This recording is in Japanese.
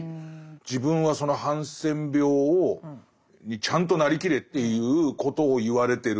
自分はそのハンセン病にちゃんとなりきれっていうことを言われてる。